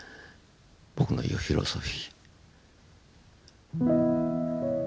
僕の言うフィロソフィー。